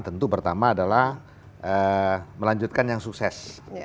tentu pertama adalah melanjutkan yang sukses